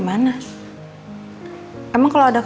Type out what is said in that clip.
mas aku mau denger